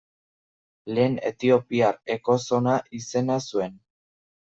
Lehen Etiopiar ekozona izena zuen.